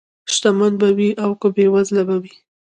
شتمن به وي او که بېوزله به وي.